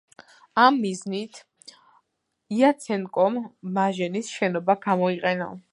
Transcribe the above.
ამ მიზნით იაცენკომ მანეჟის შენობა გამოიყენა,